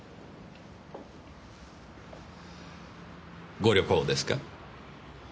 ご旅行ですか？